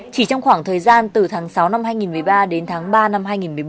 chỉ trong khoảng thời gian từ tháng sáu năm hai nghìn một mươi ba đến tháng ba năm hai nghìn một mươi bốn